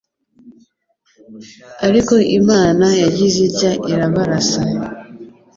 Ariko Imana yagize itya irabarasa